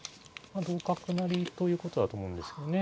同角成ということだと思うんですけどね。